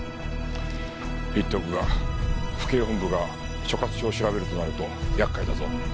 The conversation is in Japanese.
言っておくが府警本部が所轄署を調べるとなると厄介だぞ。